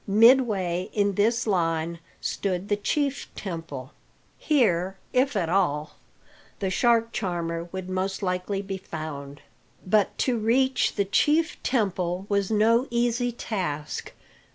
Midway in this line stood the chief temple. Here, if at all, the shark charmer would most likely be found. But to reach the chief temple was no easy task.